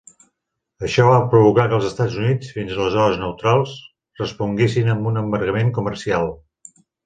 Això va provocar que els Estats Units, fins aleshores neutrals, responguessin amb un embargament comercial.